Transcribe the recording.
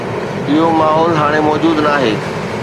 اهو ماحول هاڻي موجود ناهي.